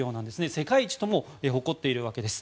世界一とも誇っているわけです。